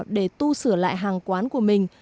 để tu sửa lại hàng quán của mình